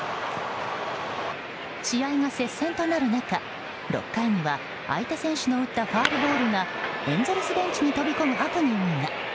試合が接戦となる中、６回には相手選手の打ったファウルボールがエンゼルスベンチに飛び込むハプニングが。